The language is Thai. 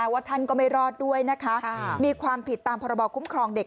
ว่าท่านก็ไม่รอดด้วยนะคะมีความผิดตามพรบคุ้มครองเด็ก